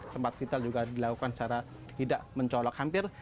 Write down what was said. tempat vital juga dilakukan secara tidak mencolok hampir